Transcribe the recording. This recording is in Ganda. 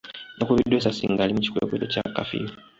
Yakubiddwa essasi nga ali mu kikwekweto kya kafiyu.